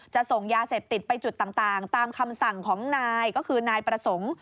ส่งยาเสพติดไปจุดต่างตามคำสั่งของนายก็คือนายประสงค์